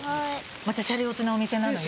またシャレオツなお店なのよ。